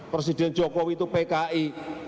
presiden jokowi itu pki